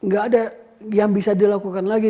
gak ada yang bisa dilakukan lagi